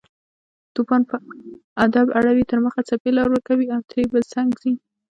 توپان په ادب اړوي تر مخه، څپې لار ورکوي او ترې په څنګ ځي